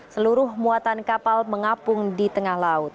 seluruh muatan kapal mengapung di tengah laut